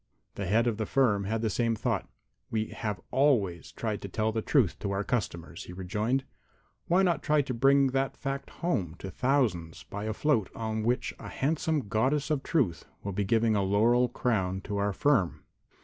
The head of the firm had the same thought. "We have always tried to tell the truth to our customers," he rejoined. "Why not try to bring that fact home to thousands by a float on which a handsome Goddess of Truth will be giving a laurel crown to our firm?"